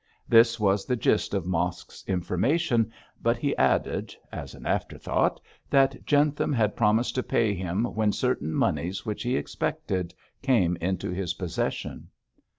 This was the gist of Mosk's information, but he added, as an afterthought, that Jentham had promised to pay him when certain monies which he expected came into his possession.